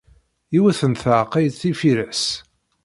Yiwet n taaqqayt ifires.